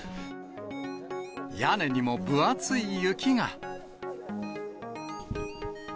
屋根にも分厚い雪が。